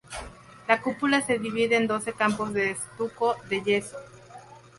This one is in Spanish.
La cúpula se divide en doce campos de estuco de yeso.